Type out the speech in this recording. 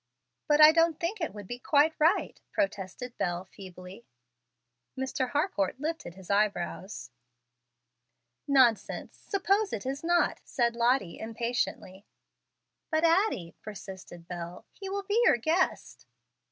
"But I don't think it would be quite right," protested Bel, feebly. Mr. Harcourt lifted his eyebrows. "Nonsense! Suppose it is not," said Lottie, impatiently. "But, Addie," persisted Bel, "he will be your guest."